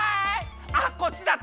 あっこっちだった！